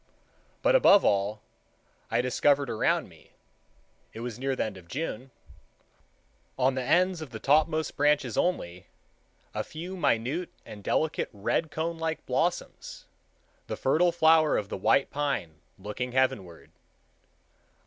But, above all, I discovered around me,—it was near the end of June,—on the ends of the topmost branches only, a few minute and delicate red conelike blossoms, the fertile flower of the white pine looking heavenward.